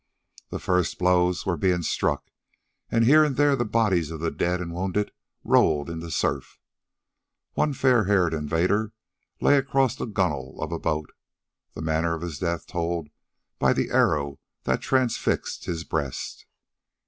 The first blows were being struck, and here and there the bodies of the dead and wounded rolled in the surf. One fair haired invader lay across the gunwale of a boat, the manner of his death told by the arrow that transfixed his breast.